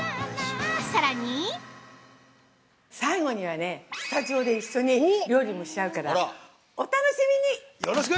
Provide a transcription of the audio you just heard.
さらに◆最後にはね、スタジオで一緒に料理もしちゃうからお楽しみに。